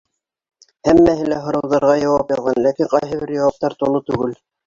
Һәммәһе лә һорауҙарға яуап яҙған, ләкин ҡайһы бер яуаптар тулы түгел.